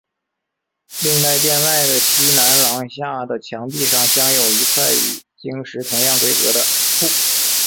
另在殿外的西南廊下的墙壁上镶有一块与经石同样规格的跋。